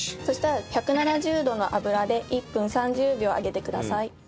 そしたら１７０度の油で１分３０秒揚げてください。